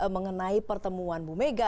mengenai pertemuan bu mega